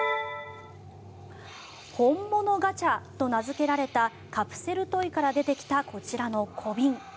本物ガチャと名付けられたカプセルトイから出てきたこちらの小瓶。